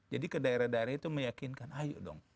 jadi ke daerah daerah itu meyakinkan ayo dong